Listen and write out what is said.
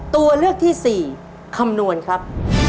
ตัวเลือกที่สี่คำนวณครับ